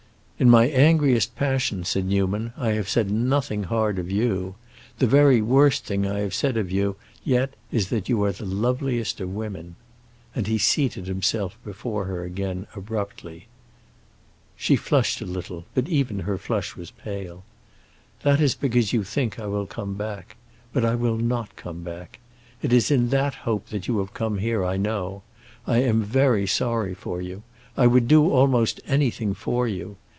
"In my angriest passion," said Newman, "I have said nothing hard of you. The very worst thing I have said of you yet is that you are the loveliest of women." And he seated himself before her again abruptly. She flushed a little, but even her flush was pale. "That is because you think I will come back. But I will not come back. It is in that hope you have come here, I know; I am very sorry for you. I would do almost anything for you.